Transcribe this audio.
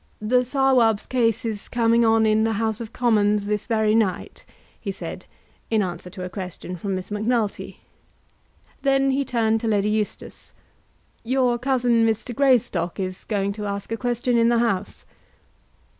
"The Sawab's case is coming on in the House of Commons this very night," he said, in answer to a question from Miss Macnulty. Then he turned to Lady Eustace. "Your cousin, Mr. Greystock, is going to ask a question in the House."